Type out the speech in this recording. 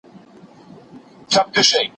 کله پر ښځو باندې جهاد فرض کيږي؟